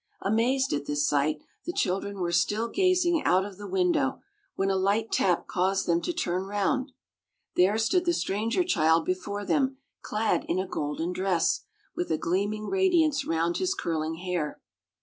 Amazed at this sight, the children were still gazing out of the window, when a light tap caused them to turn round. There stood the stranger child before them clad in a golden dress, with a gleaming radiance round his curling hair.